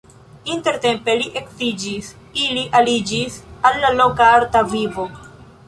Intertempe li edziĝis, ili aliĝis al la loka arta vivo.